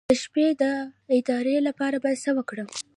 د شپې د ادرار لپاره باید څه وکړم؟